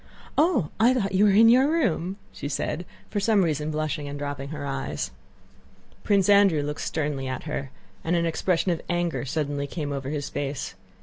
"Oh! I thought you were in your room," she said, for some reason blushing and dropping her eyes. Prince Andrew looked sternly at her and an expression of anger suddenly came over his face.